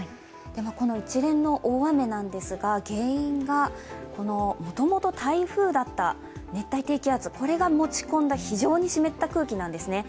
この一連の大雨ですが原因がこのもともと台風だった熱帯低気圧が持ち込んだ非常に湿った空気なんですね。